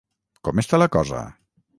Com està la cosa?